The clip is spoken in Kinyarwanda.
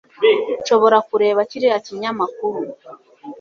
nshobora kureba kiriya kinyamakuru